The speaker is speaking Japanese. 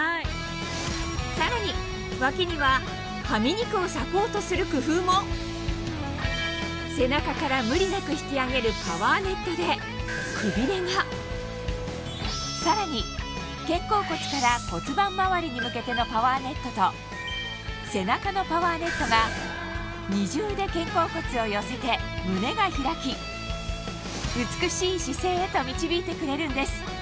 さらに脇にははみ肉をサポートする工夫も背中から無理なく引き上げるパワーネットでくびれがさらに肩甲骨から骨盤まわりに向けてのパワーネットと背中のパワーネットが二重で肩甲骨を寄せて胸が開き導いてくれるんです